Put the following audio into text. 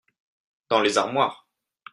Dans les armoires.